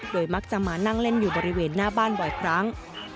มักจะมานั่งเล่นอยู่บริเวณหน้าบ้านบ่อยครั้ง